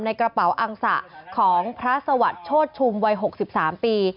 ในกระเป๋าอังสะของพระสวัสดิ์โชธชุมวัย๖๓ปี